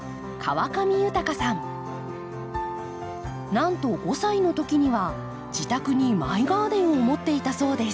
なんと５歳のときには自宅にマイガーデンを持っていたそうです。